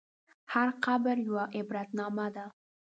هر قبر یوه عبرتنامه ده.